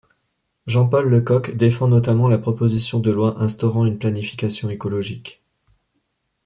Jean-Paul Lecoq défend notamment la proposition de loi instaurant une planification écologique.